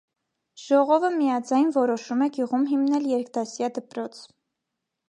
Ժողովը միաձայն որոշում է գյուղում հիմնել երկդասյա դպրոց։